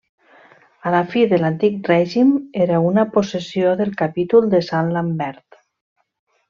A la fi de l'antic règim era una possessió del capítol de Sant Lambert.